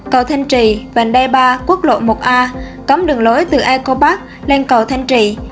cầu thanh trì vành đê ba quốc lộ một a cấm đường lối từ a cô bắc lên cầu thanh trì